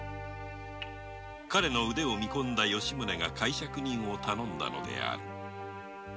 彼の腕を見込んだ吉宗が介錯人を頼んだのである。